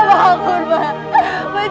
mais jangan kemana mana